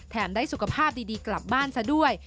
ได้สุขภาพดีกลับบ้านซะด้วย